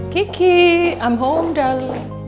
kiki amom dal